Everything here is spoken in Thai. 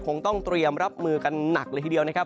คงต้องเตรียมรับมือกันหนักเลยทีเดียวนะครับ